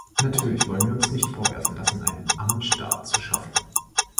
Natürlich wollen wir uns nicht vorwerfen lassen, einen Ammenstaat zu schaffen.